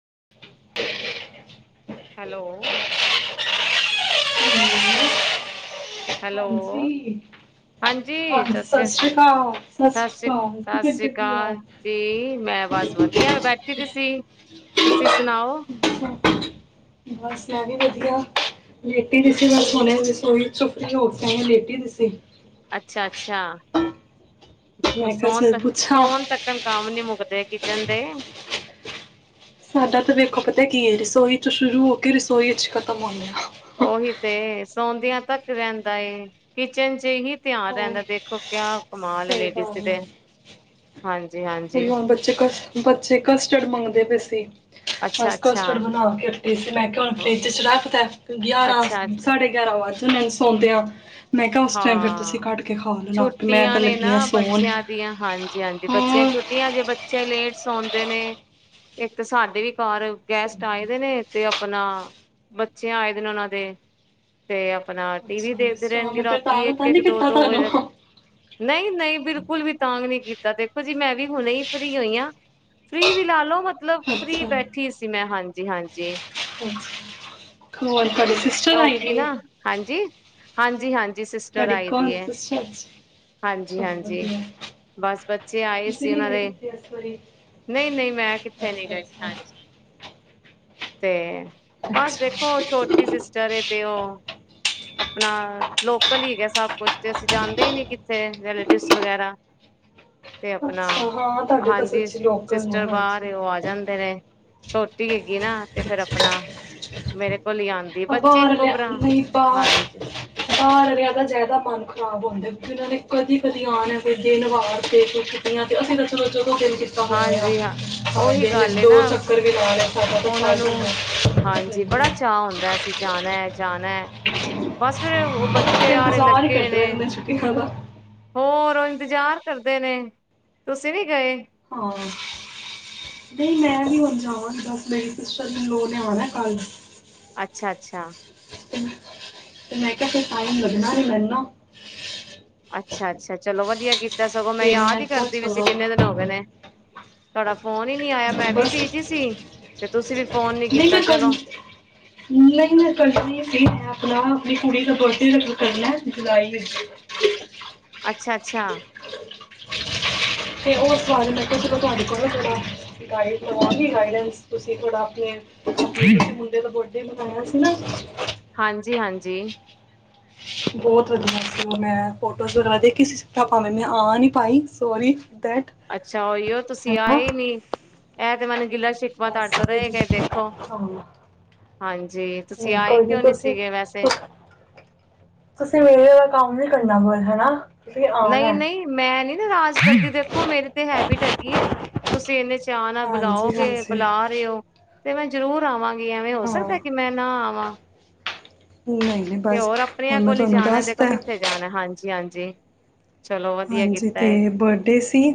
[unintelligible] Hello hello ਹਾਂਜੀ ਹਾਂ ਸਤਿ ਸ੍ਰੀ ਅਕਾਲ ਸਤਿ ਸ੍ਰੀ ਅਕਾਲ ਕੀ ਸਤਿ ਸ੍ਰੀ ਕਰਦੇ ਪੇਉ ਅਕਾਲ ਜੀ ਮੈਂ ਬਸ ਵਧੀਆ ਬੈਠੀ ਦੀ ਸੀ। ਤੁਸੀਂ ਸੁਣਾਓ? ਬਸ ਵਧੀਆ ਵ ਲੇਟੀ ਪਈ ਸੀ, ਬਸ ਹੁਣੇ ਬਿਸਂਤਰੇ ਚ ਲੇਟੀ ਪਈ ਸੀ। ਅੱਛਾ ਅੱਛਾ ਦੇਖੋ ਮੈਂ ਕਿਹਾ ਸੋਹਣ ਚਲ ਤ ਪੁੱਛਾਂ ਸੋਹਣ ਤੱਕ ਕਾਮ ਨੀ ਮੁੱਕਦੇ ਕਿਚਨ ਦੇ ਸਾਡਾ ਤਾਂ ਵੇਖੋ ਪਤਾ ਕੀ ਹੈ ਰਸੋਈ ਚ ਸ਼ੁਰੂ ਹੋ ਕੇ ਰਸੋਈ ਚ ਖਤਮ ਹੋਣਾ। ਓਹੀ ਤੇ ਸੌ ਤੱਕ ਰਹਿੰਦਾ ਏ ਕਿਚਨ ਚ ਹੀ ਧਿਆਨ ਹੋਰ ਰਹਿੰਦਾ ਦੇਖੋ ਕਿਆ ਕਮਾਲ ਸਹੀ ਗੱਲ ਲੇਡੀਜ਼ ਹੈ। ਦੇ ਹਾਂਜੀ-ਹਾਂਜੀ ਕੋਈ ਹੁਣ ਬੱਚੇ ਕ ਬੱਚੇ ਕਸਟਰਡ ਮੰਗਦੇ ਪਏ ਸੀ। ਬਸ ਅੱਛਾ-ਅੱਛਾ ਕਸਟਡ ਬਣਾ ਕੇ ਅਤੇ ਇਸ ਮੈਂ ਕਿਹਾ ਹੁਣ ਅੱਛਾ ਫਰਿੱਜ 'ਚ ਰੱਖਦਾ ਗਿਆਰਾਂ ਅੱਛਾ ਅੱਛਾ ਸਾਡੇ ਗਿਆਰਾਂ ਵਜੇ ਨਾਈ ਸੌਦੇ ਆ। ਮੈਂ ਕਿਹਾ ਉਸ ਟਾਈਮ ਫਿਰ ਹਾਂ ਤੁਸੀਂ ਕੇ ਖਾ ਲੈਣਾ ਆਪੇ ਮੈਂ ਛੁੱਟੀਆਂ ਤਾਂ ਨੇ ਲੱਗੀ ਆ ਨਾ ਸੌਣ ਬੱਚਿਆਂ ਦੀਆਂ ਹਾਂਜੀ ਹਾਂਜੀ ਬੱਚਿਆਂ ਹੋਰ ਛੁੱਟੀਆਂ ਜੇ ਬੱਚੇ ਲੇਟ ਸੋਦੇ ਨੇ ਇੱਕ ਤਾਂ ਸਾਡੇ ਵੀ ਘ ਗੈਸਟ ਆਏ ਦੇ ਨੇ ਤੇ ਆਪਣਾ ਬੱਚਿਆਂ ਆਏ ਦਿ ਨੇ ਉਹਨਾਂ ਦੇ ਤੇ ਆਪਣਾ ਟੀ ਵੀ ਅੱਛਾ ਦੇਖਦੇ ਡਿਸਟਰਬ ਰਹਿਣਗੇ ਮੈਂ ਫਿਰ ਰਾਤ ਤਾਂ ਇੱਕ ਤਾਂ ਇੱਕ ਨਹੀਂ ਦੋ ਕੀਤਾ ਦੋ ਤੁਹਾਨੂੰ ਵਜੇ ਨਹੀਂ ਨਹੀਂ ਬਿਲਕੁਲ ਵੀ ਤਾਂਗ ਨੀ ਕੀਤਾ ਦੇਖੋ ਜੀ ਮੈਂ ਵੀ ਹੁਣੇ ਹੀ ਫ੍ਰਰੀ ਹੋਈ ਹਾਂ ਫ੍ਰੀ ਵੀ ਲਾ ਲੋ ਮਤਲਬ ਅੱਛਾ ਫਰੀ ਬੈਠੀ ਸੀ ਮੈਂ ਹਾਂਜੀ ਜੀ ਹਾਂਜੀ ਹੋਰ ਤੁਹਾਡੇ ਹਾਂਜੀ ਸਿਸਟਰ ਆਈ ਕਿਉਂਕਿ ਪਈ ਨਾ ਹਾਂਜੀ ਹਾਂਜੀ ਸਿਸਟਰ ਆਈ ਪਈ ਹੈ ਹਾਂਜੀ ਚਲੋ ਹਾਂਜੀ ਵਧੀਆ ਬਸ ਬੱਚੇ ਆਏ ਤੁਸੀਂ ਸੀ ਨਹੀਂ ਉਹਨਾਂ ਗਏ ਦੇ ਕਿੱਥੇ ਇਸ ਵਾਰੀ ਨਹੀਂ ਨਹੀਂ ਮੈਂ ਕਿੱਥੇ ਨੀ ਅੱਛਾ ਗਈ ਅੱਛਾ ਹਾਂਜੀ ਤੇ ਬਸ ਅੱਛਾ ਦੇਖੋ ਛੋਟੀ ਸਿਸਟਰ ਤੇ ਉਹ ਆਪਣਾ ਲੋਕਲ ਹੀ ਹੇਗੇ ਸਭ ਕੁਛ ਤੇ ਅਸੀਂ ਜਾਂਦੇ ਹੀ ਨ ਕਿੱਥੇ ਰਲੇਟਿਵਸ ਵਗੈਰਾ ਤੇ ਆਪਣਾ ਅੱਛਾ ਹਾਂ ਤੁਹਾਡੇ ਤਾਂ ਹਾਂਜੀ ਸੱਚੀ ਲੋਕਲ ਨੇ ਸਿਸਟਰ ਹਾਂਜੀ ਬਾਹਰ ਉਹ ਆ ਜਾਂਦੇ ਨੇ ਛੋਟੀ ਹੈਗੀ ਨਾ ਤੇ ਫੇਿਰ ਆਪਣਾ ਮੇਰੇ ਕੋਲ ਹੀ ਆਂਦੀ ਬੱਚੇ ਬਾਹਰ ਇੱਕੋ ਲਿਆ ਭਰਾ ਆਉਣ ਬਾਹਰ ਬਾਹਰ ਦਾ ਜ਼ਿਆਦਾ ਮਨ ਖ਼ਰਾਬ ਹੁੰਦਾ ਉਹਨਾਂ ਨੇ ਕਦੀ ਕਦੀ ਆਣਾ ਹੈ ਕੋਈ ਦਿਨ ਵਾਰ ਤੇ ਕੁਛਆਂ ਤੇ ਅਸੀਂ ਰੋ ਦੋ ਨ ਕੀਤਾ ਹੋਣ ਹਾਂਜੀ-ਹਾਂਜੀ ਹਾਂ ਉਹੀ ਗੱਲ ਏ ਨਾ ਦੋ ਚੱਕਰ ਵੀ ਲਾ ਲਾਦਾ ਉਹਨਾਂ ਨੂੰ ਜਾਣਾ ਹੈ ਜਾਣਾ ਹੈ ਬਸ ਉਹ ਬੱਚੇ ਤੇ ਸਾਰੇ ਇੰਤਜ਼ਾਰ ਹੀ ਲੱਗੇ ਕਰਦੇ ਨੇ ਰਹੇ ਛੁੱਟੀਆਂ ਦਾ ਹੋਰ ਇੰਤਜ਼ਾਰ ਕਰਦੇ ਨੇ ਤੁਸੀਂ ਨੀ ਗਏ ਹਾਂ ਨਹੀਂ ਮੈਂ ਵੀ ਹੁਣ ਜਾਵਾਂ ਬਸ ਮੇਰੀ ਸਿਸਟਰ ਲੋ ਨੇ ਆਉਣਾ ਕੱਲ ਅੱਛਾ ਅੱਛਾ ਤੇ ਮੈਂ ਕਿਹਾ ਕੇ ਟਾਈਮ ਲੱਗਣਾ ਮੈਨੂੰ ਅੱਛਾ ਅੱਛਾ ਚਲੋ ਵਧੀਆ ਕੀਤਾ ਸਗੋਂ ਮੈਂ ਤੇ ਯਾਦ ਹੀ ਕਿਹਾ ਕਰਦੀ ਵੀਸੀ ਚਲੋ ਕਿੰਨੇ ਦਿਨ ਹੋ ਗਏ ਨੇ ਤੜਾਪ ਫੋਨ ਹੀ ਨਹੀ ਆਇਆ ਮੈਂ ਵੀ ਬਸ ਬਿਜੀ ਸੀ ਤੇ ਤੁਸੀਂ ਵੀ ਫੋਨ ਨੀ ਨਹੀਂ ਮੈਂ ਕੀਤਾ ਕਰਨ ਚਲੋ ਨਹੀਂ ਮੈਂ ਕਰਨੀ ਸੀ ਮੈਂ ਆਪਣਾ ਆਪਣੀ ਕੁੜੀ ਦਾ ਬਰਥਡੇ ਰੱਖ ਕਰਨਾ ਜੁਲਾਈ ਵਿੱਚ ਅੱਛਾ ਅੱਛਾ ਤੇ ਹੋਰ ਸਾਰੇ ਮੈਂ ਕਿਹਾ ਜਦੋਂ ਤੁਹਾਡੇ ਕੋਲ ਥੋੜਾ ਗਾਈਡ ਕਰਵਾਂਗੀ ਗਾਈਡਸ ਤੁਸੀਂ ਥੋੜਾ ਆਪਣੇ ਮੁੰਡੇ ਦਾ ਬਡੇ ਮਨਾਇਆ ਸੀ ਨਾ ਹਾਂਜੀ ਹਾਂਜੀ ਬਹੁਤ ਵਧੀਆ ਸੀ ਮੈਂ ਫੋਟੋਜ਼ ਵਗੈਰਾ ਦੇਖੀ ਮੈਂ ਆ ਨੀ ਪਾਈ ਸੋਰੀ ਅੱਛਾ ਉਹੀਓ ਤੁਸੀਂ ਆਏ ਨੀ ਮ ਬਸ ਹਾਂਜੀ ਤੁਸੀਂ ਨਹੀਂ ਆਏ ਕੋਈ ਨੀ ਕਿਉਂ ਤੁਸੀਂ ਸੀਗੇ ਵੈਸੇ ਤੁਸੀਂ ਮੇਲੇ ਦਾ ਕੰਮ ਨ ਕਰਨਾ ਬਲ ਹੈਲੋ ਹੈਨਾ ਨਹੀਂ ਨਹੀਂ ਮੈਂ ਨਹੀ ਰਾਜ ਕਰਦੀ ਦੇਖੋ ਮੇਰੀ ਤੇ ਹੈਬਿਟ ਹੈਗੀ ਹੈ ਤੁਸੀਂ ਇੰਨੇ ਚਾਅ ਨਾਲ ਹਾਂਜੀ ਬੁਲਾਓਗੇ ਹਾਂਜੀ ਬੁਲਾ ਰਹੇ ਹੋ ਤੇ ਮੈਂ ਜ਼ਰੂਰ ਆਵਾਂਗੀ ਐਵੇਂ ਹੋ ਹਾਂ ਸਕਦਾ ਕਿ ਮੈਂ ਨਾ ਆਵਾਂ ਨਹੀਂ ਨਹੀਂ ਤੇ ਬਸ ਹੋਰ ਆਪਣਿਆਂ ਹੁਣ ਮੈਂ ਕੋਲ ਹੀ ਤੁਹਾਨੂੰ ਜਾਣਾ ਦੇਖੋ ਦੱਸਤਾ ਕਿੱਥੇ ਜਾਣਾ ਹਾਂਜੀ ਹਾਂਜੀ ਜੀ ਹਾਂਜੀ ਤੇ ਬਰਡੇ ਸੀ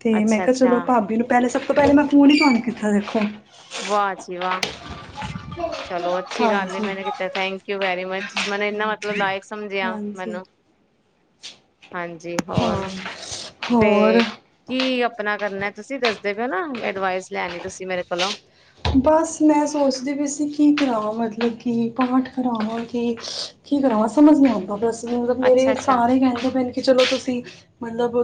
ਤੇ ਮੈਂ ਕਿਹਾ ਅੱਛਾ-ਅੱਛਾ ਚਲੋ ਭਾਬੀ ਨੂੰ ਪਹਿਲੇ ਸਭ ਤੋਂ ਪਹਿਲੇ ਮੈਂ ਫੋਨ ਹੀ ਫਨ ਕੀਤਾ ਦੇਖੋ ਸੱ ਵਾਹਜੀ ਵਾਹ ਚਲੋ ਅੱਛੀ ਗੱਲ ਹਾਂਜੀ ਮੈਨੇ ਕੀਤਾ ਥੈਂਕ ਯੂ ਵੈਰੀ ਮਚ ਮੈਨੂੰ ਇੰਨਾ ਮਤਲਬ ਲਾਇਕ ਸਮਝਿਆ ਹਾਂਜੀ ਮੈਨੂੰ ਹਾਂਜੀ ਹੋਰ ਹਾਂ ਤੇ ਹੋਰ ਕੀ ਆਪਣਾ ਕਰਨਾ ਤੁਸੀਂ ਦੱਸਦੇ ਪਏ ਨਾ ਅਡਵਾਈਸ ਲੈਣੀ ਤੁਸੀਂ ਮੇਰੇ ਕੋਲੋਂ ਬਸ ਮੈਂ ਸੋਚਦੀ ਵੀ ਅ ਕੀ ਕਰਾਂ ਮਤਲਬ ਕਿ ਪਾਠ ਕਰਾਵਾਂ ਕਿ ਕੀ ਕਰਾਵਾਂ ਸਮਝ ਨੀ ਆਂ ਬਸ ਮਤਲਬ ਮੇਰੇ ਅੱਛਾ-ਅੱਛਾ, ਸਾਰੇ ਕਹਿੰਦੇ ਪਏ ਨੇ ਕਿ ਚਲੋ ਤੁਸੀਂ ਮਤਲਬ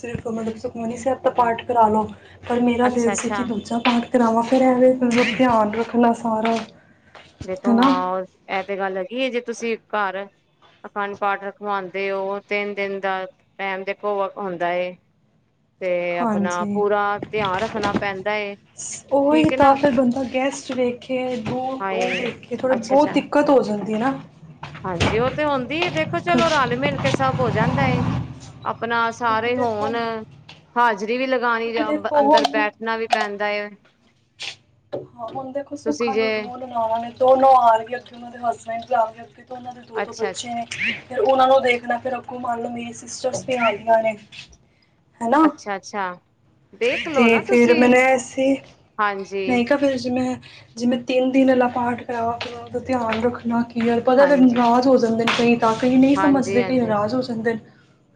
ਸਿਰਫ ਮਤਲਬ ਸੁਖਮਨੀ ਸਾਹਿਬ ਦਾ ਆਪਣਾ ਪਾਠ ਕਰਾ ਲਓ ਪਰ ਮੇਰਾ ਦਿਲ ਸੀ ਕਿ ਅੱਛਾ-ਅੱਛਾ ਦੂਜਾ ਪਾਠ ਕਰਾਵਾਂ ਮਤਲਬ ਧਿਆਨ ਰੱਖਣਾ ਸਾਰਾ ਦੇਖੋ ਹਨਾ ਹਾਂ ਇਹ ਤੇ ਗੱਲ ਹੈ ਜੇ ਤੁਸੀਂ ਘਰ ਅਖੰਡ ਪਾਠ ਰਖਵਾਉਂਦੇ ਹੋ ਤਿੰਨ ਦਿਨ ਦਾ ਟੈਮ ਦੇਖੋ ਹੁੰਦਾ ਹੈ ਹਾਂਜੀ ਧਿਆਨ ਰੱਖਣਾ ਪੈਂਦਾ ਏ ਉਹੀ ਠੀਕ ਹੈ ਤਾਂ ਨਾ ਫਿਰ ਬੰਦਾ ਗੈਸਟ ਵੇਖੇ ਦੂਰ ਹਾਏ ਉਹ ਵੇਖੇ ਥੋੜ੍ਹੇ ਅੱਛਾ ਬਹੁਤ ਅੱਛਾ ਦਿੱਕਤ ਹੋ ਜਾਂਦੀ ਹੈ ਨਾ ਹਾਂਜੀ ਉਹ ਤੇ ਹ ਦੀ ਦੇਖੋ ਚਲੋ ਕਿਉਂਕਿ ਰਲ ਮਿਲ ਕੇ ਸਭ ਹੋ ਜਾਂਦਾ ਆਪਣਾ ਸਾਰੇ ਦੇਖੋ ਹੋਣ ਹਾਜ਼ਰੀ ਵੀ ਲਗਾਉਣੀ ਕਿਉਂਕਿ ਜਾ ਦੇਖੋ ਅੰਦਰ ਹੁਣ ਬੈਠਣਾ ਵੀ ਪੈਂਦਾ ਹ ਹੁਣ ਦੇਖੋ ਤੁਸੀਂ ਸੁੱਖਾਂ ਜੇ ਨੂੰ ਜਾਵੇਤੇ ਉਹਨਾਂ ਦੇ ਦੋ ਦੋ ਅੱਛਾ ਅੱਛਾ ਬੱਚੇ ਨੇ ਫਿਰ ਉਹਨਾਂ ਨੂੰ ਦੇਖਣਾ ਫਿਰ ਘੋ [unintelligible] ਮੇਰੇ ਸਿਸਟਰਸ ਬਮਾਰਆਂ ਨੇ ਹਨਾ ਅੱਛਾ-ਅੱਛਾ। ਤੇ ਫੇਰ ਮਿਲਿਐ ਸੀ, ਹਾਂਜੀ ਮੈਂ ਕੇਆ ਫਿਰ ਜੀ ਮੈਂ ਜਿਵੇਂ ਤਿੰਨ ਦਿਨ ਅਲਾ ਪਾਠ ਕਰਾਂਵਾ, ਆਪਣਾ ਓ ਦਾ ਧਿਆਨ ਰੱਖਣਾ। ਕੀ ਯਾਰ ਪਤਾ ਤਾਂ ਹਾਂਜੀ ਨਰਾਜ ਹੋ ਜਾਂਦੇ। ਕਈ ਤਾਂ ਕਈ ਨਈਂ ਹਾਂਜੀ ਸਮਝਦੇ, ਕਈ ਹਾਂਜੀ ਨਰਾਜ ਹੋ ਜਾਂਦੇ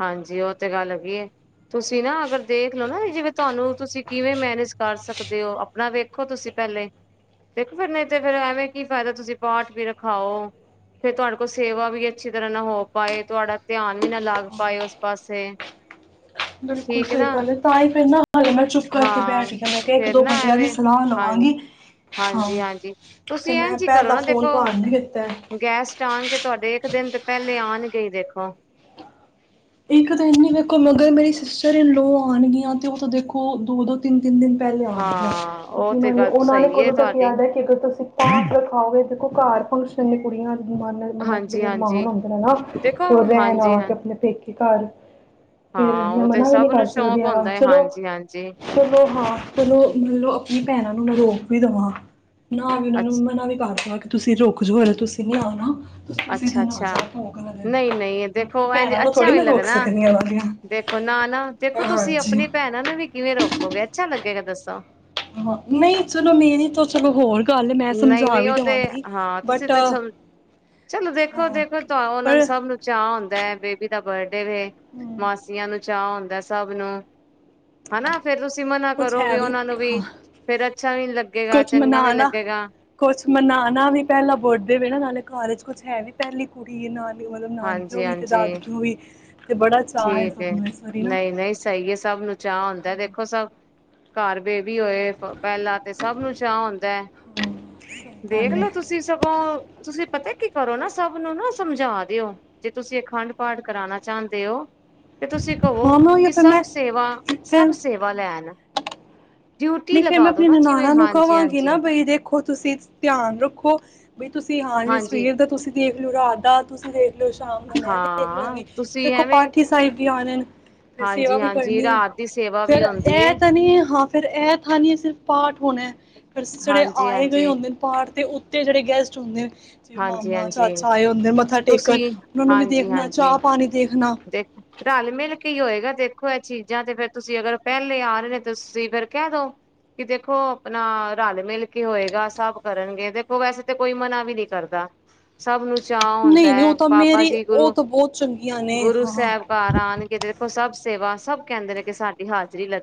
ਹਾਂਜੀ, ਓ ਤੇ ਗੱਲ ਹੈਗੀ ਏ। ਤੁਸੀਂ ਨਾ ਅਗਰ ਦੇਖਲਓ ਨਾ ਜਿਵੇਂ ਤੁਆਨੂੰ ਤੁਸੀਂ ਕਿਵੇਂ ਮੈਨੇਜ ਕਰ ਸਕਦੇ ਓ ਆਪਣਾ ਵੇਖੋ ਤੁਸੀਂ ਪੈੱਲੇ, ਦੇਖੋ ਫਿਰ ਨਈਂ ਤੇ ਫੇਰ ਐਵੇਂ ਕੀ ਫਾਇਦਾ ਤੁਸੀਂ ਪਾਠ ਵੀ ਰਖਾਓ, ਫੇਰ ਤੁਆਡੇ ਕੋਲ ਸੇਵਾ ਵੀ ਅੱਛੀ ਤਰ੍ਹਾਂ ਨਾ ਹੋ ਪਾਏ ਤੁਆਡਾ ਧਿਆਨ ਵੀ ਨਾ ਲਾਗ ਪਾਏ ਉਸ ਪਾਸੇ। ਬਿਲਕੁਲ ਠੀਕ ਹੈ ਸਹੀ ਨਾ ਗੱਲ ਐ, ਤਾਂ ਈ ਫੇਰ ਨਾ ਹਾਲੇ ਮੈਂ ਚੁੱਪ ਕਰਕੇ ਹਾਂ ਬੈਠ ਗਿਆ ਮੈਂ ਕੇਆ ਇੱਕ ਫੇਰ ਦੋ ਨਾ ਬੰਦਿਆਂ ਦੀ ਐਵੇਂ ਸਲਾਹ ਹਾਂਜੀ ਲਵਾਂਗੀ। ਹਾਂ, ਹਾਂਜੀ ਹਾਂਜੀ। ਫਿਰ ਤੁਸੀਂ ਮੈਂ ਇੰਝ ਹੀ ਕਰੋ ਪੈੱਲਾ ਨਾ ਫੋਨ ਦੇਖੋ ਤੁਆਨੂੰ ਲੀਤਾ। ਗੈਸਟ ਕੀ ਦੇਖੋਂ? ਇੱਕ ਤਾਂ ਏਂਨੀ ਦੇਖੋ ਮਗਰ ਮੇਰੀ ਸਿਸਟਰ ਇਨਲੋ ਆਣਗੀਆਂ, ਤੇ ਓ ਤਾਂ ਦੇਖੋ ਦੋ-ਦੋ ਤਿੰਨ ਤਿੰਨ ਦਿਨ ਪੈੱਲੇ ਆਣਗਈਆਂ, ਹਾਂ ਉਹ ਕਿਉਂਕਿ ਤੇ ਗੱਲ ਓਨਾਂ ਨੇ ਸਹੀ ਹੈ ਕਦੋਂ ਤੱਕ ਤੁਹਾਡੀ ਯਾਦ ਐ ਕਿ ਅਗਰ ਤੁਸੀਂ ਖਾਓ ਦੇਖੋ ਘਾਰ ਫੰਕਸ਼ਨ ਨੇ ਕੁੜੀਆਂ ਮਨ ਮਨਾਂ ਚ ਹਾਂਜੀ ਬੜੇ ਹਾਂਜੀ। ਅਰਮਾਨ ਹੁੰਦੇ ਨੇ ਨਾ, ਦੇਖੋ ਕਿ ਓ ਰੈਣ ਹਾਂਜੀ ਆ ਹਾਂ ਕੇ ਆਪਣੇ ਪੇਕੇ ਘਰ ਫਿਰ ਹਾਂ ਮੈਂ ਉਹ ਤੇ ਮਨਾ ਵੀ ਨਹੀਂ ਸਭ ਨੂੰ ਕਰ ਸਕਦੀ ਸ਼ੌਕ ਵਾਂ, ਹੁੰਦਾ ਹੈ ਚਲੋ ਹਾਂਜੀ ਹਾਂਜੀ ਚਲੋ ਹਾਂ ਚਲੋ ਿਮਲੋ ਆਪਣੀ ਭੈਣਾਂ ਉਹਨੂੰ ਰੋਕ ਵੀ ਦਵਾਂ। ਨਾ ਵੀ ਉਹਨਾ ਨੂੰ ਅੱਛ ਮੈਂ ਨਾ ਵੀ ਕਰ ਦੇਾਂ [unintelligible] ਤੁਸੀਂ ਰੁੱਕ ਜੋ ਹਜੇ ਤੁਸੀਂ ਨਹੀਂ ਆਓ ਨਾ ਉਸੀ ਅੱਛਾ ਦਿੰਨ ਆ ਜੋ ਅੱਛਾ ਭੋਗ ਵਾਲੇ ਦਿੰਨ ਨਹੀਂ ਨਹੀਂ ਮੈਂ ਦੇਖੋ ਐਂਜ ਭੈਣਾਂ ਨੂੰ ਅੱਛਾ ਥੋੜ੍ਹੀ ਵੀ ਮੈਂ ਰੋਕ ਲੱਗਦਾ, ਸਕਦੀ ਹਾਂ ਉਹਨਾਂ ਦੀਆਂ ਦੇਖੋ ਨਾ-ਨਾ ਦੇਖੋ ਤੁਸੀਂ ਹਾਂਜੀ। ਆਪਣੀ ਭੈਣਾਂ ਨੂੰ ਵੀ ਕਿਵੇਂ ਰੋਕੋਗੇ ਅੱਛਾ ਲੱਗੇਗਾ ਦੱਸੋ ਹਾਂ, ਨਹੀਂ ਚਲੋ ਮੇਰੀ ਤਾਂ ਚਲੋ ਹੋਰ ਗੱਲ ਏ ਮੈਂ ਸਮਝਾ ਨਹੀਂ-ਨਹੀਂ ਵੀ ਉਹ ਤੇ, ਦੇਵਾਂਗੀ। ਹਾਂ! ਤੁਸੀਂ ਬਟ ਤੇ ਚਲ ਚਲੋ ਹਾਂ ਦੇਖੋ-ਦੇਖੋ ਤੁਹਾਨੂੰ ਉਹਨਾਂ ਨੂੰ ਪਰ ਸਭ ਨੂੰ ਚਅ ਹੁੰਦਾ ਬੇਬੀ ਦਾ ਬਰਡ ਦੇ ਹੂੰ ਮਾਸੀਆਂ ਨੂੰ ਚਾਅ ਹੁੰਦਾ ਆ ਸੱਭ ਨੂੰ, ਹਨਾ? ਫੇਰ ਤੁਸੀਂ ਮਨਾ ਕੁਛ ਹੈ ਕਰੋਗੇ ਉਹਨਾ ਨੂੰ ਵੀ ਹਾਂ ਫੇਰ ਅੱਛਾ ਨਹੀਂ ਲੱਗੇਗਾ ਕੁਛ ਚੰਗਾ ਵੀ ਨਹੀਂ ਮਨਾਣਾ ਲੱਗੇ ਕੁਛ ਮਨਾਉਣਾ ਵੀ ਪਹਿਲਾਂ ਬਰਡੇ ਵੀ ਆ ਨਾਲੇ ਘਰ ਿੱਵਜ ਕੁਛ ਹੈ ਵੀ ਪਹਿਲੀ ਕੁੜੀ ਹੈ ਹਾਂਜੀ ਹਾਂਜੀ ਤੇ ਬੜਾ ਚਾਅ ਏ ਠੀਕ ਸਭ ਹੈ, ਨੂੰ ਇਸ ਵਾਰੀ ਨਾ। ਨਹੀਂ ਨਹੀਂ ਸਹੀ ਹੈ, ਸਭ ਨੂੰ ਚਾਅ ਹੁੰਦਾ ਹਾਂ ਦੇਖੋ ਸਭ ਘਰ ਦੇ ਵੀ ਹੋਏ ਪਹਿਲਾਂ ਤੇ ਸਭ ਨੂੰ ਚਾਅ ਹੁੰਦਾ ਹੈ ਹਾਂ ਸਹੀ ਗੱਲ ਏ ਦੇਖਲੋ ਤੁਸੀਂ ਸਗੋਂ ਤੁਸੀਂ ਪਤਾ ਕੀ ਕਰੋ ਨਾ ਸਭ ਨੂੰ ਨਾ ਸਮਝਾ ਓ ਜੇ ਤੁਸੀਂ ਅਖੰਡ ਪਾਠ ਕਰਾਉਣਾ ਚਾਹੁੰਦੇ ਹੋ ਤੇ ਤੁਸੀਂ ਕਹੋ ਹਾਂ ਮੈਂ ਉਹੀਓ ਕਿ ਫਿਰ ਸਭ ਮੈਂ ਸੇਵਾ ਸਭ ਇੱਥੇ ਸੇਵਾ ਲੈਣ ਡਿਊਟੀ ਨਹੀਂ ਫੇਰ ਮੈਂ ਲਗਾ ਦੋ ਆਪਣੇ ਨਾ ਜਿਵੇਂ ਨਨਾਣਾਂ ਨੂੰ ਕਵਾਂਗੀ ਹਾਂਜੀ-ਹਾਂਜੀ। ਨਾ ਬਈ ਦੇਖੋ ਤੁਸੀਂ ਧਿਆਨ ਰੱਖੋ ਵੀ ਤੁਸੀਂ ਹਾਂਲੇ ਹਾਂਜੀ ਹਾਂਜੀ ਸਵੇਰ ਦਾ ਤੁਸੀਂ ਦੇਖ ਲੋ ਰਾਦਾ ਤੁਸੀਂ ਦੇਖ ਲ ਸ਼ਾਮ ਦਾ ਮੈਂ ਦੇਖ ਹਾਂ ਲਾਂਗੀ ਤੁਸੀਂ ਦੇਖੋ ਐਵੇਂ ਪਾਠੀ ਸਾਹਿਬ [unintelligible] ਫ ਸੇਵਾ ਵੀ ਹਾਂਜੀ-ਹਾਂਜੀ ਕਰਨੀ ਰਾਤ ਦੀ ਸੇਵਾ ਫੇਰ ਵੀ ਹੁੰਦੀ ਏ। ਇਹ ਤਾਂ ਨੀ ਹਾ। ਫਿਰ ਇਹ ਥਾ ਨਹੀਂ ਸਿਰਫ਼ ਪਾਠ ਹੋਣਾ ਫਿਰ ਜਿਹੜੇ ਆਏ ਗਏ ਹਾਂਜੀ-ਹਾਂਜੀ, ਹੁੰਦੇ ਪਾਠ ਤੇ ਤੇ ਜਿਹੜੇ ਗਸਟ ਹੁੰਦੇ‌ ਨ ਹਾਂਜੀ ਹਾਂਜੀ ਟੇਕਣ ਤੁਸੀਂ ਉਹਨਾਂ ਨੂੰ ਵੀ ਹਾਂਜੀ ਦੇਖਣਾ ਹਾਂਜੀ ਚਾਹ ਪਾਣੀ ਦੇਖਣਾ ਦੇਖ ਰਲ ਮਿਲ ਕੀ ਹੋਏਗਾ ਦੇਖੋ ਦੇਖੋ ਇਹ ਚੀਜ਼ਾਂ ਤੇ ਫੇਰ ਤੁਸੀਂ ਅਗਰ ਪਹਿਲੇ ਆ ਰਹੇ ਨੇ ਤਾਂ ਤੁਸੀਂ ਫੇਰ ਕਹਿ ਦੋ ਕਿ ਦੇਖੋ ਆਪਣਾ ਰਲ ਮਿਲ ਕੇ ਹੋਏਗਾ ਸਭ ਕਰਨਗੇ, ਦੇਖੋ ਵੈਸੇ ਤਾਂ ਕੋਈ ਮਨਾ ਵੀ ਨਹੀਂ ਕਰਦਾ ਸਭ ਨੂੰ ਉ ਚਾ ਹੁੰਦਾ ਨਹੀਂ ਨਹੀਂ ਹੈ ਉਹ ਤਾਂ ਬਾਬਾ ਮੇਰੀ ਜੀ ਉਹ ਗੁਰੂ ਤਾਂ ਬਹੁਤ ਚੰਗੀਆਂ ਨੇ ਗੁਰੂ ਹਾਂ ਸਾਹਿਬਕਾਰ ਆਉਣਗੇ ਤੇ ਦੇਖੋ ਸਭ ਸੇਵਾ ਸਭ ਕਹਿੰਦੇ ਨੇ ਕਿ ਸਾਡੀ ਹਾਜ਼ਰੀ ਲੱ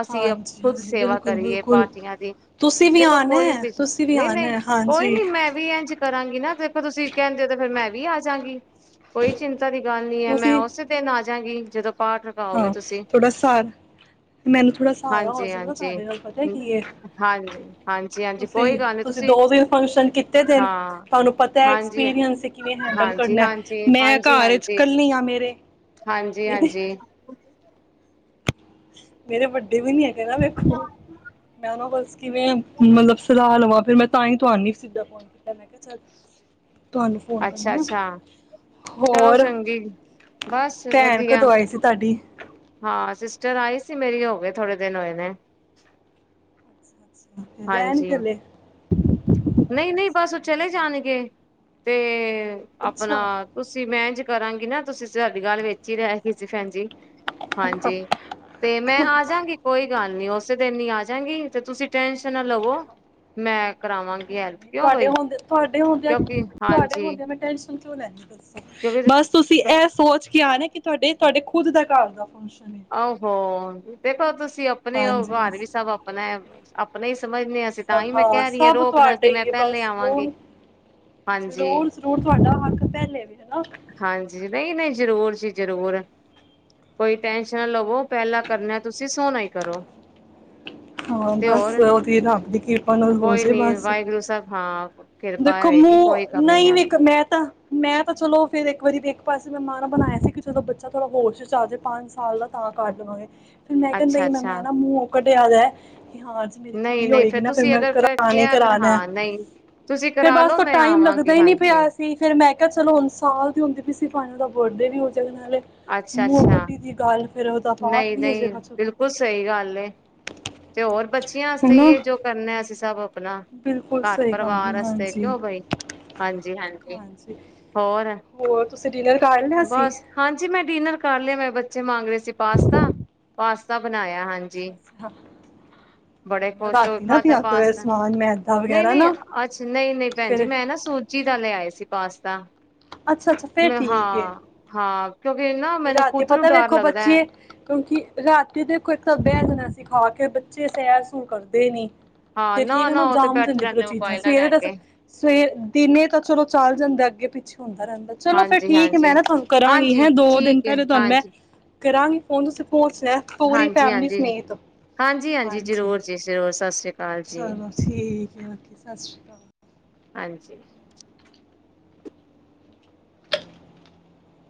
ਅਸੀਂ ਹਾਂਜੀ ਖੁੱਦ ਹਾਂਜੀ ਸੇਵਾ ਬਿਲਕੁਲ ਕਰੀਏ ਬਿਲਕੁਲ ਪਾਰਟੀਆਂ ਦੀ ਤੁਸੀਂ ਵੀ ਦੇਖੋ ਆਣਾ ਕੋਈ ਹੈ, ਵੀ ਤੁਸੀਂ ਨਹੀਂ ਆਣਾ ਨਹੀਂ ਹੈ, ਕੋਈ ਹਾਂਜੀ। ਨੀ ਮੈਂ ਵੀ ਇੰਝ ਕਰਾਂਗੀ ਨਾ ਤੇ ਤੁਸੀਂ ਕਹਿੰਦੇ ਹੋ ਤੇ ਫਿਰ ਮੈਂ ਵੀ ਆ ਜਾਂਗੀ ਕੋਈ ਚਿੰਤਾ ਦੀ ਗੱਲ ਨਹੀਂ ਹੈ ਮੈਂ ਉਸੇ ਦਿਨ ਆ ਜਾ ਗੀ ਜਦੋਂ ਪਾਠ ਰਕਾਓਗੇ ਹਾਂ ਤੁਸੀਂ ਥੋੜਾ ਸਹਾਰਾ ਮੈਨੂੰ ਥੋੜਾ ਸਹਾਰਾ ਹੋ ਹਾਂਜੀ ਜਾਗਾ ਹਾਂਜੀ ਤੁਹਾਡੇ ਨਾਲ ਪਤਾ ਕੀ ਹਾਂ ਹਾਂਜੀ ਹਾਂਜੀ ਤੁਸੀਂ ਕੋਈ ਗੱਲ ਨੀ ਤੁਸੀਂ ਦੋ ਦਿਨ ਫੰਕਸ਼ਨ ਕੀਤੇ ਪੇਨ ਹਾਂ ਤੁਹਾਨੂੰ ਪਤਾ ਹੈ ਹਾਂਜੀ ਐਕਸਪੀਰੀਅੰਸ ਕਿਵੇਂ ਹੈਂਡਲ ਹਾਂਜੀ ਹਾਂਜੀ ਕਰਨਾ ਮੈਂ ਹਾਂਜੀ ਘਰ ਹਾਂਜੀ ਇਕੱਲੀ ਆ ਮੇਰੇਰੇ ਹਾਂਜੀ ਹਾਂਜੀ ਮੇਰੇ ਵੱਡੇ ਵੀ ਨੀ ਹੈਗੇ ਨਾ ਵੇਖੋ ਮੈਂ ਨਾ ਬਸ ਕਿਵੇਂ ਮਤਲਬ ਸਲਾਹ ਲਵਾਂ ਫਿਰ ਮੈਂ ਤਾਂਹੀ ਤੁਹੀ ਸਿੱਧਾ ਫੋਨ ਕੀਤਾ ਮੈਂ ਕਿਹਾ ਚੱਲ ਤੁਹਾਨੂੰ ਫੋਨ ਅੱਛਾ ਕਰਨੀ ਆ ਅੱਛਾ ਚਲੋ ਹੋਰ ਚੰਗੀ ਬਸ ਭੈਣ ਵਧੀਆ ਕਦੋਂ ਆਈ ਸੀ ਤੁਹਾਡੀ? ਹਾਂ ਸਿਸਟਰ ਆਈ ਸੀ ਮੇਰੀ ਹੋ ਗਏ ਥੋੜੇ ਦਿਨ ਹੋਏ ਨੇ ਰਹਿਣ ਹਾਂਜੀ ਚਲੇ ਨਹੀਂ ਨਹੀਂ ਅੱਛਾ ਬਸ ਚਲੋ ਚਲੇ ਵਧੀਆ ਜਾਣਗੇ ਤੇ ਅੱਛਾ ਆਪਣਾ ਤੁਸੀਂ ਮੈਂ ਕਰਾਂਗੀ ਨਾ, ਤੁਸੀਂ ਸਾਡੀ ਗੱਲ ਵਿੱਚ ਹੀ ਰਹਿ ਗੀ ਸੀ ਭੈਣ ਜੀ। ਹਾਂਜੀ, ਤੇ ਮੈਂ ਆਜਾਂਗੀ ਕੋਈ ਗੱਲ ਨੀ ਉਸੇ ਦਿਨ ਨ ਆ ਜਾਂਗੀ ਤੇ ਤੁਸੀਂ ਟ ਨਾ ਲਵੋ, ਮੈਂ ਕਰਾਵਾਂਗੀ ਹੈਲਪ ਕਿਉਂ ਤੁਹਾਡੇ ਬਈ ਹ ਤੁਹਾਡੇ ਹੁੰਦੇਆ, ਕਿਉਂਕਿ ਤੁਹਾਡੇ ਹਾਂਜੀ ਹੁੰਦੇ ਮੈਂ ਟੈਂਨਸ਼ਨ ਕਿਂਓ ਲੈਦੀ ਦੱਸੋ ਕਿਉਂਕਿ ਬਸ, ਤੁਸੀਂ ਇਹ ਸੋਚ ਕੇ ਆ ਕਿ ਤੁਹਾਡੇ, ਤੁਹਾਡੇ ਖੁਦ ਦਾ ਘਰ ਦਾ ਫੰਕਸ਼ਨ ਹੈ ਆਹੋ, ਦੇਖੋ ਤੁਸੀਂ ਆਪਨੇ ਓ, ਹਾਂਜੀ ਘਰ ਵੀ ਸਭ ਆਪਨੈ। [inaudible] ਸਭਾਵਾਂ ਸਭ ਤੁਹਾਡਾ ਕਿ ਮੈਂ ਹੀ ਹੈ, ਪਹਿਲੇ ਬਸ ਆਵਾਂਗੀ ਹੋਰ ਹਾਂਜੀ ਜ਼ਰੂਰ ਜ਼ਰੂਰ ਤੁਹਾਡਾ ਹ [inaudible] ਹਾਂਜੀ, ਨਈੰ -ਨਈੰ ਜ਼ਰੂਰ ਜੀ। ਜਰੂਰ, ਕੋਈ ਟੈਸ਼ਨ ਨ ਲਵੋ ਪਹਿਲਾਂ ਕਰਨਾ ਤੁਸੀਂ ਸੋਣਾ ਹੀ ਕਰੋ, ਹਾਂ ਤੇ ਬਸ ਹੋਰ ਉਹਦੀ ਰੱਬ ਦੀ ਕਿਰਪਾ ਨਾਲ ਹੋ ਕੋਈ ਜੇ ਨੀ ਬਸ ਵਾਹਿਗੁਰੂ ਸਾਹਿਬ ਹਾਂ ਕਿਰਪਾ ਦੇਖੋ ਹੋਏਗੀ ਕੋਈ ਮੂੰਹ ਕਮੀ ਨੀ ਨਹੀਂ ਆਂਦੀ ਵੇਖ ਮੈਂ ਤਾਂ ਮੈਂ ਤਾਂ ਚਲੋ ਫੇਰ ਇੱਕ ਵਾਰੀ ਵੀ ਇੱਕ ਪਾਸੇ ਮੈਂ ਮਾਨ ਬਣਾਇਆ ਸੀ, ਕਿ ਚਲੋ ਬੱਚਾ ਥੋੜਾ ਹੋਸ ਚ ਆ ਜਾਵੇ ਪੰਜ ਸਾਲ ਦਾ ਤਾਂ, ਕਰ ਦੇਵਾਂਗੇ। ਫਿਰ ਮੈਂ ਕਿਹਾ ਅੱਛਾ ਨਈੰ ਅੱਛਾ ਮੈਂ ਨਾ ਮੂੰਹ ਘਟਿਆਦਾ ਹੈ। ਹਾਂਜੀ ਮੇਰੀ ਨਹੀਂ ਕੁੜੀ ਨਹੀਂ ਹੋਏਗੀ ਫੇਰ ਨਾ, ਫਿਰ ਤੁਸੀਂ ਮੈਂ ਅਗਰ ਕ ਕਰਾਨੀ ਕਿਹਾ ਤਾਂ ਕਰਾਨੈ। ਹਾਂ ਨਹੀਂ ਤੁਸੀਂ ਫੇਰ ਕਰਾ ਬਸ ਲਓ ਤ ਮੈਂ ਟਾਈਮ ਲੱਗਦਾ ਆਵਾਂਗੀ ਹੀ ਨਹੀਂ ਹਾਂਜੀ ਪਿਆ ਸੀ, ਫਿਰ ਮੈਂ ਕਿਹਾ ਚਲੋ, ਹੁਣ ਸਾਲ ਦੀ ਹੁੰਦੀ ਵੀ ਸੀ ਫਾਈਨਲ ਦਾ ਬਰਡੇ ਵੀ ਨਾਲੇ ਮੂੰਹ ਕੱਡੀ ਦੀ ਗੱਲ ਫਿਰ ਉਹਦਾ ਪਾਠ ਨਈੰ ਵੀ ਹੋ -ਨਈੰ ਜਾਏਗਾ ਚਲੋ ਬਿਲਕੁਲ ਸਈ ਗੱਲ ਏ, ਤੇ ਹੋਰ ਬੱਚਿਆਂ ਆਸਤੇ ਈ ਹੈਨਾ ਏ, ਜੋ ਕਰਨਾ ਅਸੀਂ ਸਭ ਆਪਣਾ ਬਿਲਕੁਲ ਘਰ ਸਹੀ ਗੱਲ ਹੈ ਪਰਿਵਾਰਸਤੇ ਹਾਂਜੀ ਕਿਂਓ ਬਈ, ਹਾਂਜੀ ਹਾਂਜੀ। ਹਾਂਜੀ, ਹੋਰ ਹੋਰ ਤੁਸੀਂ ਡਿਨਰ ਕਰ ਲਿਆ ਸੀ। ਬਸ ਹਾਂਜੀ ਮੈਂ ਡਿਨਰ ਕਰ ਲਏ ਮੈਂ ਬੱਚੇ ਮੰਗ ਰਹੇ ਸੀ ਪਾਸਤਾ, ਪਾਸਤਾ ਬਨਾਇਆ ਹਾਂਜੀ। ਅੱਛਾ ਹਾਂਜੀ, ਅੱਛਾ ਬੜੇ ਖੁਸ਼ ਹੋਏ ਰਾਤੀ ਨਾ ਖਾਧਾ ਪਿਆ ਕਰੋ ਇਹ ਪਾਸਤਾ, ਸਮਾਨ ਮੈਦਾ ਨਈੰ ਵਗੈਰਾ -ਨਈੰ ਨਾ ਅੱਜ ਨਈਂ- ਨਈੰ ਭੈਣ ਜੀ ਫਿਰ ਮੈਂ ਨਾ ਸੁਜੀ ਦਾ ਲਿਆ ਆਏ ਸੀ ਪਾਸਤਾ। ਅੱਛਾ -ਅੱਛਾ ਫਿਰ ਮੈਂ ਠੀਕ ਏ। ਹਾਂ ਹਾਂ ਕਿਉਂਕਿ ਨਾ, ਮੈਨੂੰ ਕੁੱਦ ਨੂੰ ਡਰ ਲੱਗਦਾ ਐ। ਕਿਉਂਕਿ ਰਾਤੀ [unintelligible] ਖਾ ਕੇ ਬੱਚੇ ਸੈਰ ਸੂਰ ਕਰਦੇ ਨਹੀਂ ਹਾਂ ਤੇ ਠੀਕ ਹੈ ਨਾ ਉਹ ਤੇ ਜਾਮ ਬੈਠੇ ਜਾਂਦੀ ਫ ਉਹ ਰਹਿੰਦੇ ਚੀਜ਼ਾਂ ਮੋਬਾਇਲ ਨਾ ਸਵੇਰੇ ਲੈ ਤਾਂ ਕੇ ਸਵੇ ਦਿਨੇ ਤਾਂ ਚਲੋ ਚੱਲ ਜਾਂਦਾ ਅੱਗੇ ਪਿੱਛੇ ਹੁੰਦਾ ਰਹਿੰਦਾ ਚਲੋ ਫਿਰ ਹਾਂਜੀ ਠੀਕ ਹੈ ਮੈਂ ਹਾਂਜੀ ਨਾ ਤੁਹਾਨੂੰ ਕਰਾਂਗੀ ਹਾਂਜੀ ਹੈਂ ਦੋ ਠੀਕ ਹਾਂਜੀ ਕਰਾਂਗੇ ਫੋਨ ਤੁਸੀਂ ਪਹੁੰਚਣਾ ਪੂਰੀ ਹਾਂਜੀ ਫੈਮਿਲੀ ਹਾਂਜੀ ਸਮੇਤ ਹਾਂਜੀ ਹਾਂਜੀ ਜ਼ਰੂਰ ਜੀ ਜ਼ਰੂਰ ਸਤਿ ਸ੍ਰੀ ਅਕਾਲ ਜੀ ਚਲੋ ਠੀਕ ਆ ਸਤਿ ਸ਼੍ਰੀ ਅਕਾਲ ਹਾਂਜੀ